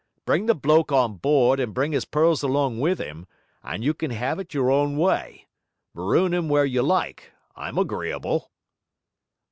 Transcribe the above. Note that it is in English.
Bring the bloke on board and bring his pearls along with him, and you can have it your own way; maroon him where you like I'm agreeable.'